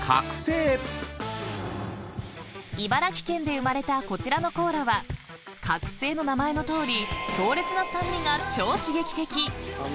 ［茨城県で生まれたこちらのコーラは「覚醒」の名前のとおり強烈な酸味が超刺激的！］